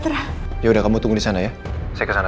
tiba tiba pergi tapi gak ngabarin mau kemana